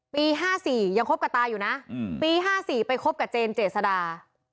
ปีห้าสี่ยังครบกับตาอยู่นะอืมปีห้าสี่ไปครบกับเจนเจสดา